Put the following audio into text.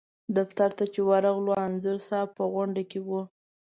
دفتر چې ورغلو انځور صاحب په غونډه کې و.